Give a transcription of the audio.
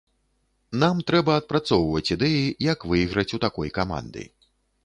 Нам трэба адпрацоўваць ідэі, як выйграць у такой каманды.